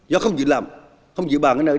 do không dự làm không dự bàn ở nơi đó trốn